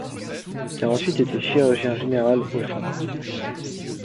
Il a ensuite été chirurgien général au St.